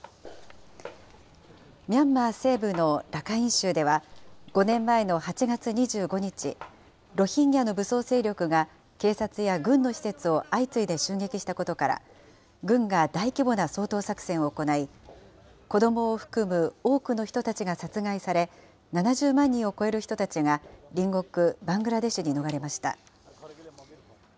ミャンマー西部のラカイン州では、５年前の８月２５日、ロヒンギャの武装勢力が警察や軍の施設を相次いで襲撃したことから、軍が大規模な掃討作戦を行い、子どもを含む多くの人たちが殺害され、７０万人を超える人たちが隣国バングラデシュに逃れました。